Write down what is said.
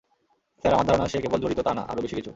Sir, আমার ধারণা সে কেবল জড়িত তা না, আরও বেশি কিছু।